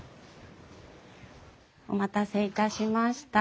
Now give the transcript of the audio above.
お待たせいたしました。